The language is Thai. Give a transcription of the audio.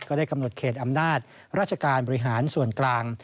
ได้กำหนดเขตอำนาจราชการบริหารส่วนกลาง